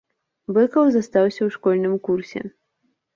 Быкаў застаўся ў школьным курсе.